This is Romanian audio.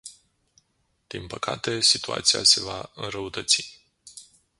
Din păcate, situația se va înrăutăți.